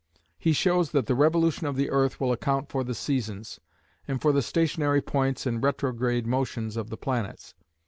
He shows that the revolution of the earth will account for the seasons, and for the stationary points and retrograde motions of the planets.